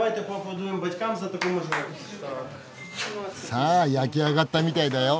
さあ焼き上がったみたいだよ。